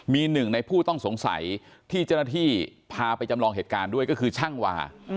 มีหนึ่งในผู้ต้องสงสัยที่เจ้าหน้าที่พาไปจำลองเหตุการณ์ด้วยก็คือช่างวา